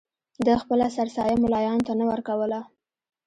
ده خپله سرسایه ملایانو ته نه ورکوله.